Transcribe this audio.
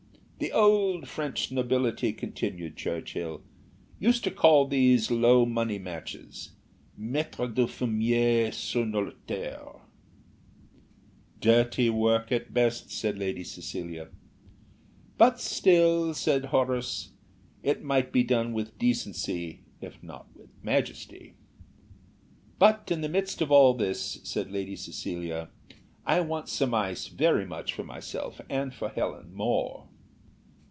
"The old French nobility," continued Churchill, "used to call these low money matches, 'mettre du fumier sur nos terres.'" "Dirty work at best," said Lady Cecilia. "But still," said Horace, "it might be done with decency if not with majesty." "But in the midst of all this," said Lady Cecilia, "I want some ice very much for myself, and for Helen more."